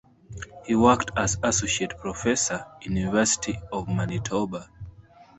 He worked as Associate Professor in University of Manitoba.